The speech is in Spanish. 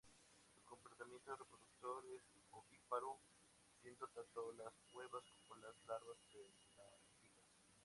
Su comportamiento reproductor es ovíparo, siendo tanto las huevas como las larvas pelágicas.